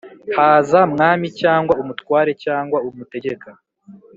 Haza mwami cyangwa umutware cyangwa umutegeka